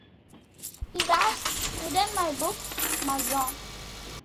He has hidden my books, Mason.